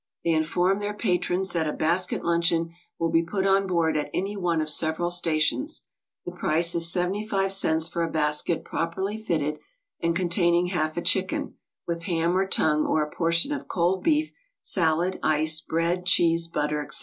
They inform their patrons that a basket luncheon will be put on board at any one of several stations. The price is 75 cts. for a basket properly fitted, and containing half a chicken, with ham or tongue or a portion of cold beef, salad, ice, bread, cheese, butter, etc.